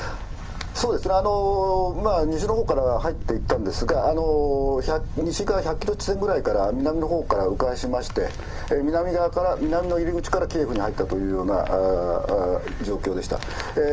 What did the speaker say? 西のほうから入っていったんですが、西から１００キロ地点ぐらいから、南のほうからう回しまして、南側から、南の入り口からキエフに入ったというような状況でした。